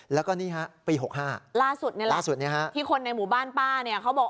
แล้วก็นี่ฮะปีหกห้าล่าสุดเนี่ยฮะที่คนในหมู่บ้านป้าเนี่ยเขาบอก